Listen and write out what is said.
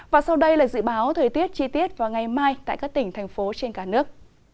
và sau đây là dự báo thời tiết chi tiết vào ngày mai tại các tỉnh thành phố trên cả nước